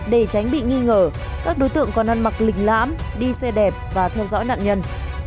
để tránh bị nghi ngờ các đối tượng còn ăn mặc lịch lãm đi xe đẹp và theo dõi nạn nhân